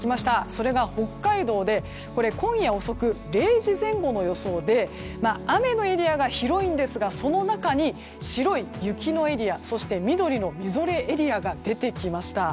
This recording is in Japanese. それが北海道で今夜遅く、０時前後の予想で雨のエリアが広いんですがその中に、白い雪のエリアそして緑の、みぞれのエリアが出てきました。